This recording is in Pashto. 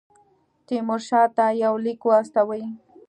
تیمورشاه ته یو لیک واستوي.